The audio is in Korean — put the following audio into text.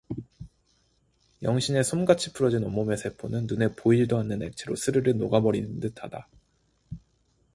영신의 솜같이 풀어진 온몸의 세포는 눈에 보이지도 않는 액체로 스르르 녹아 버리는 듯하다.